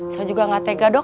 saya juga gak tega dok